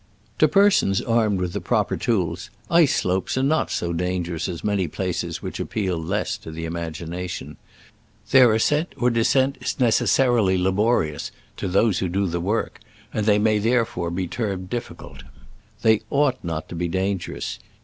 To persons armed with the proper tools, ice slopes are not so dangerous as many places which appeal less to the imagination. Their ascent or descent is necessarily laborious (to those who do the work), and they may therefore be termed difficult. They ought not to be dangerous.